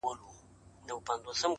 د غم قصه سړی خورا مات کړي,